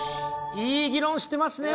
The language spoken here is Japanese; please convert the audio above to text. いい議論してますね！